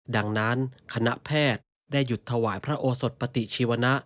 ดังนั้นคณะแพทย์ได้หยุดถวายพระโอสดปฏิชีวนะ